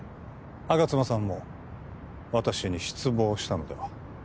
吾妻さんも私に失望したのでは？